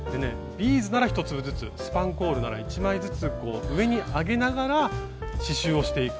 ビーズなら１粒ずつスパンコールなら１枚ずつ上に上げながら刺しゅうをしていく。